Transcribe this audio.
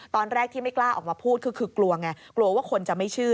ตอนแรกที่ไม่กล้าออกมาพูดคือกลัวไงกลัวว่าคนจะไม่เชื่อ